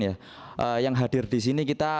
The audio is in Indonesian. ya yang hadir disini kita